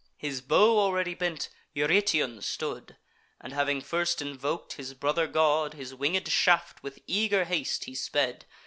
His bow already bent, Eurytion stood; And, having first invok'd his brother god, His winged shaft with eager haste he sped.